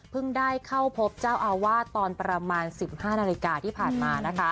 เพิ่งได้เข้าพบเจ้าอาวาสตอนประมาณ๑๕นาทีที่ผ่านมา